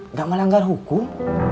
nggak melanggar hukum